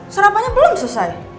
serapanya belum selesai